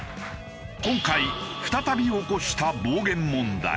今回再び起こした暴言問題。